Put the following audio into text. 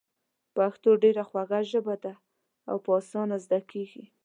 پښتو ډېره خوږه ژبه ده او په اسانه زده کېږي.